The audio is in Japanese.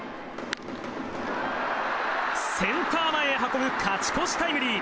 センター前へ運ぶ勝ち越しタイムリー。